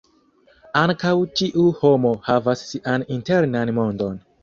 Ankaŭ ĉiu homo havas sian internan mondon.